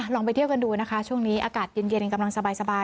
ไปเที่ยวกันดูนะคะช่วงนี้อากาศเย็นกำลังสบาย